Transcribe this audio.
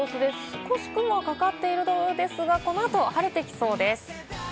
少し雲がかかっているようですが、このあと晴れてきそうです。